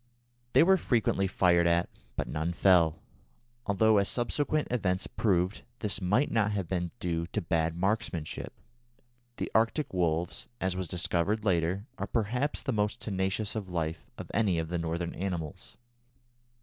They were frequently fired at, but none fell, although, as subsequent events proved, this might not have been due to bad marksmanship. The Arctic wolves, as was discovered later, are perhaps the most tenacious of life of any of the Northern animals.